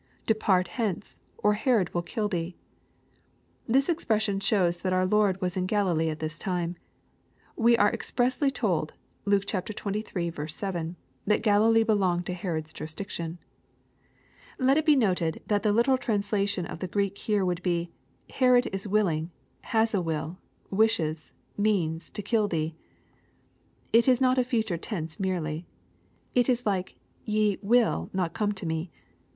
[Depart hence : or Herod will hiU thee.] This expression aihowa that our Lord was in Galilee at this time. We are expressly told (Luke xxiii. 7) that Galilee belonged to Herod's jurisdic tion. Let it be noted that the literal translation of the Greek here would be, " Herod is willing, — has a will, — wishes, — means, — to kill thee." It is not a future tense merely. It is like"Yeio»3 not come to me."